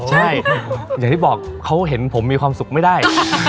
ใช่อย่างที่บอกเขาเห็นผมมีความสุขไม่ได้